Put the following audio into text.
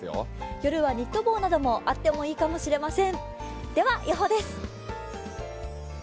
夜はニット帽なんかもあってもいいかもしれません。